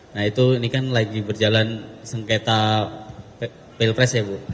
nah itu ini kan lagi berjalan sengketa pilpres ya bu